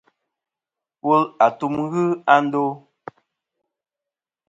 Wul àtum ghɨ a ndo.